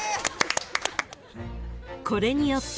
［これによって］